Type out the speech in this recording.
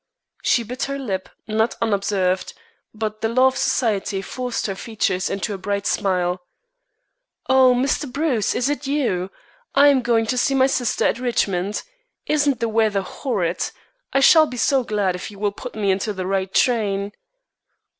She bit her lip, not unobserved, but the law of Society forced her features into a bright smile. "Oh, Mr. Bruce, is it you? I am going to see my sister at Richmond. Isn't the weather horrid? I shall be so glad if you will put me into the right train."